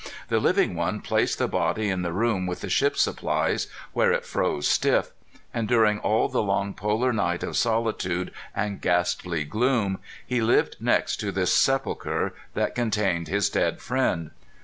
The living one placed the body in the room with the ship supplies, where it froze stiff; and during all the long polar night of solitude and ghastly gloom he lived next to this sepulchre that contained his dead friend.